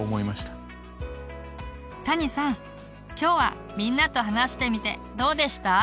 たにさん今日はみんなと話してみてどうでした？